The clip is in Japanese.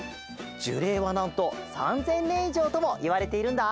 じゅれいはなんと３，０００ねんいじょうともいわれているんだ。